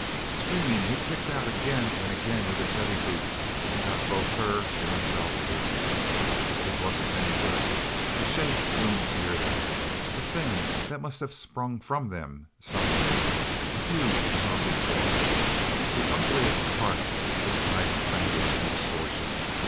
Screaming, he kicked out again and again with his heavy boots, and got both her and himself loose. It wasn't any good. A shape loomed near them. A thing that must have sprung from them someway. A huge, zombie form the ugliest part of this night of anguish and distortion.